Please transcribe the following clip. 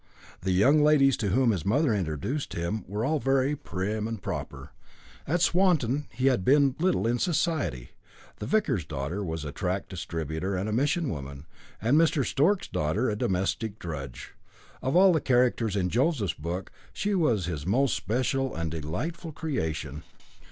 The young ladies to whom his mother introduced him were all very prim and proper. At Swanton he had been little in society: the vicar's daughter was a tract distributer and a mission woman, and Mr. Stork's daughter a domestic drudge. Of all the characters in Joseph's book she was his most especial and delightful creation.